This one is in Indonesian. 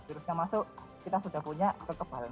virusnya masuk kita sudah punya kekebalan